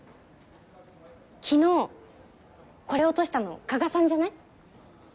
昨日これ落としたの加賀さんじゃない？